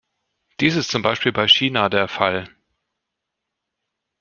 Dies ist zum Beispiel bei China der Fall.